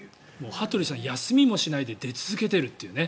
羽鳥さん、休みもしないで出続けるっていうね。